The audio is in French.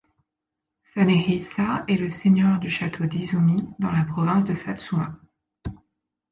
Sanehisa est le seigneur du château d'Izumi dans la province de Satsuma.